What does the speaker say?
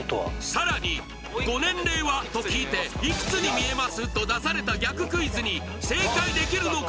さらに「ご年齢は？」と聞いて「いくつに見えます？」と出された逆クイズに正解できるのか？